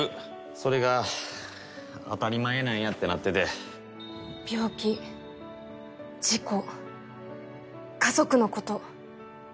それが当たり前なんやってなってて病気事故家族の事。